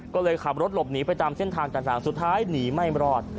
ก็เลยขับรถหลบหนีไปตามเส้นทางต่างสุดท้ายหนีไม่รอด